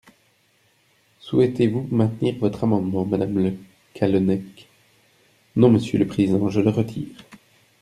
Souhaitez-vous maintenir votre amendement, madame Le Callennec ? Non, monsieur le président, je le retire.